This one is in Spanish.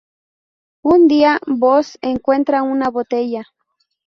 Un día, Bosse encuentra una botella.